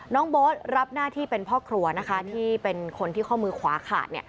น้องโบ๊ทรับหน้าที่เป็นพ่อครัวนะคะที่เป็นคนที่ข้อมือขวาขาด